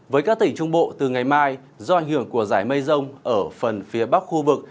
với các tỉnh trung bộ từ ngày mai do ảnh hưởng của giải mây rông ở phần phía bắc khu vực